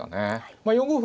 まあ４五歩